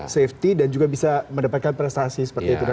safety dan juga bisa mendapatkan prestasi seperti itu